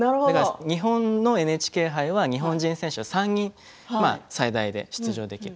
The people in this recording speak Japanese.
日本のＮＨＫ杯は日本人選手が３人、最大で出場できる。